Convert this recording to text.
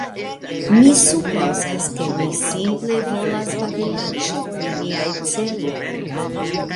Mi supozas, ke mi simple volas babilaĉi pri miaj celoj.